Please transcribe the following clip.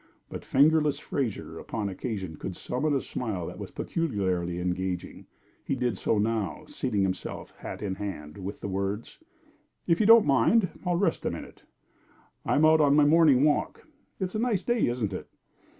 But "Fingerless" Fraser upon occasion could summon a smile that was peculiarly engaging. He did so now, seating himself hat in hand, with the words: "If you don't mind, I'll rest a minute. I'm out for my morning walk. It's a nice day, isn't it?"